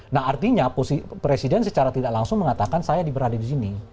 nah artinya presiden secara tidak langsung mengatakan saya berada di sini